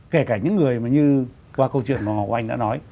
kể cả những người như qua câu chuyện của anh đã nói